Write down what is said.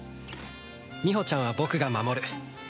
みほちゃんは僕が守る絶対に